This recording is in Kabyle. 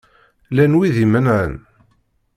Llan wid i imenɛen?